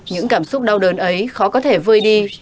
những cảm xúc đau đớn ấy khó có thể vơi đi